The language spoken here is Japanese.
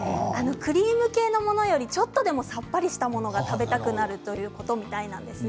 クリーム系のものよりちょっとでもさっぱりしたものが食べたくなるみたいなことなんです。